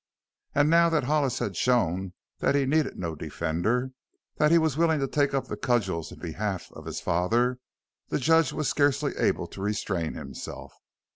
And now that Hollis had shown that he needed no defender; that he was willing to take up the cudgels in behalf of his father, the judge was scarcely able to restrain himself.